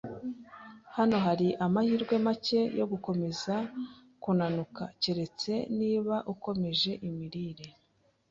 Hano hari amahirwe make yo gukomeza kunanuka, keretse niba ukomeje imirire.